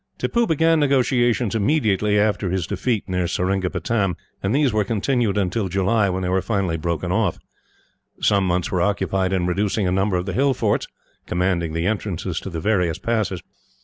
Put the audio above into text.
Tippoo began negotiations immediately after his defeat near Seringapatam, and these were continued until July, when they were finally broken off. Some months were occupied in reducing a number of the hill forts, commanding the entrances to the various passes.